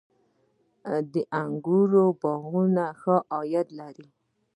د انګورو باغونه ښه عاید لري؟